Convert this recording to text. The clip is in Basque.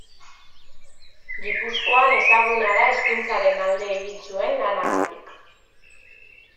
Gipuzkoan ezaguna da hezkuntzaren alde egin zuen lanagatik.